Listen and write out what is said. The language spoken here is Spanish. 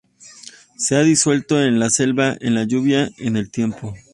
Se ha disuelto en la selva, en la lluvia, en el tiempo.